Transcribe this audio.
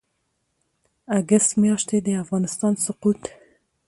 اګسټ میاشتې د افغانستان سقوط